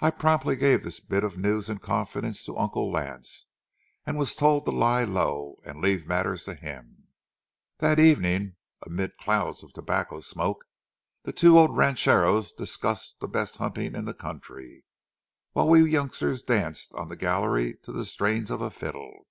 I promptly gave this bit of news in confidence to Uncle Lance, and was told to lie low and leave matters to him. That evening, amid clouds of tobacco smoke, the two old rancheros discussed the best hunting in the country, while we youngsters danced on the gallery to the strains of a fiddle.